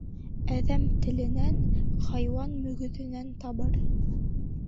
Әҙәм теленән, хайуан мөгөҙөнән табыр.